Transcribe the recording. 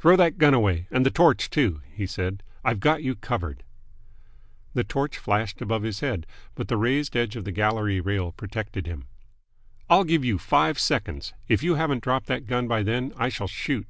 "Throw that gun away, and the torch, too," he said. "I've got you covered!" The torch flashed above his head, but the raised edge of the gallery rail protected him. "I'll give you five seconds. If you haven't dropped that gun by then, I shall shoot!"